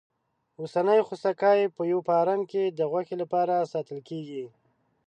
اوسنی خوسکی په یوه فارم کې د غوښې لپاره ساتل کېږي.